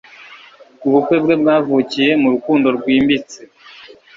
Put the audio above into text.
ubukwe bwe bwavukiye mu rukundo rwimbitse